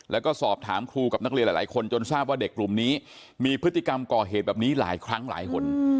แล้วก็สอบถามครูกับนักเรียนหลายคนจนทราบว่าเด็กกลุ่มนี้มีพฤติกรรมก่อเหตุแบบนี้หลายครั้งหลายคน